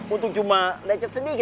untung cuma lecet sedikit